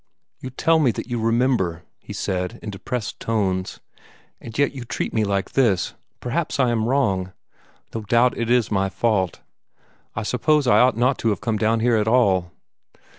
"You tell me that you remember," he said, in depressed tones, "and yet you treat me like this! Perhaps I am wrong. No doubt it is my own fault. I suppose I ought not to have come down here at all."